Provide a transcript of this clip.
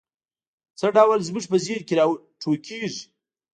څه ډول زموږ په ذهن کې را ټوکېږي؟